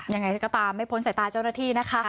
ยังไงก็ตามไม่พ้นสายตาเจ้าหน้าที่นะคะ